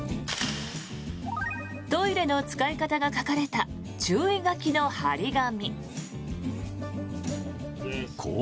トイレの使い方が書かれた注意書きの貼り紙。